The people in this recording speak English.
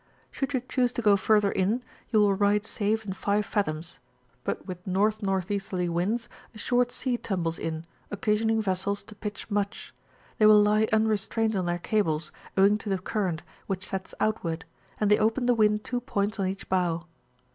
Should you choose to go further in, you wiU ride safe in 5 fathoms; but with N.N. Easterly winds, a short sea tmnbles in, occa sioning vessels to pitch much: they will lie unrestrained on their cables, owing to the current, which sets outward; and they open the wind two points on each bow.